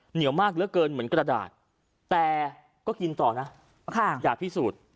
เหนียวมากเหลือเกินเหมือนกระดาษแต่ก็กินต่อนะอยากพิสูจน์